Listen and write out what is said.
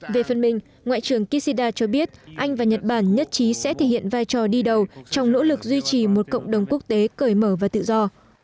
về phần mình ngoại trưởng kishida cho biết anh và nhật bản nhất trí sẽ thể hiện vai trò đi đầu trong nỗ lực duy trì một cộng đồng quốc tế cởi mở và tự do